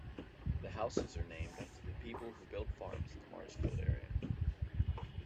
The houses are named after the people who built farms in the Marsfield area.